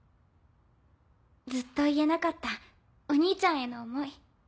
ずっと言えなかったお兄ちゃんへの思い。